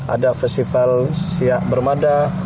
ada festival siak bermada